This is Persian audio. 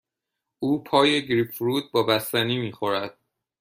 او پای گریپ فروت با بستنی می خورد.